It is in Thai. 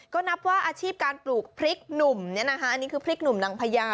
ก็นับว่าอาชีพการปลูกพริกหนุ่มเนี่ยนะคะอันนี้คือพริกหนุ่มนางพญา